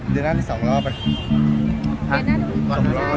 เดินหน้าที่สองรอบ